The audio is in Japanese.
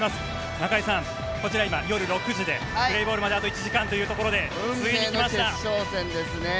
中居さん、こちら今、夜６時でプレーボールまであと１時間というところで運命の決勝戦ですね。